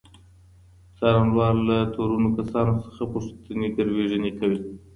څارنوال له تورنو کسانو څخه پوښتني ګروېږنې کوي.